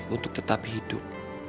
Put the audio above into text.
untuk tetap hidup